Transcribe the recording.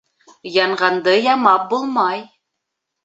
Янғанды ямап булмай.